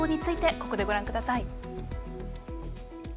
ここでご覧ください。